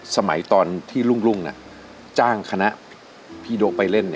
สมัยตอนที่รุ่งจ้างคณะพี่โด๊กไปเล่น